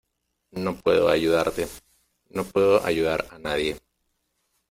No puedo ayudarte. No puedo ayudar a nadie .